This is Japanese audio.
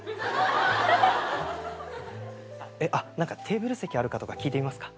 テーブル席あるかとか聞いてみますか？